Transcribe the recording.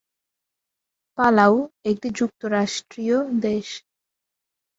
Palau একটি যুক্তরাষ্ট্রীয় দেশ।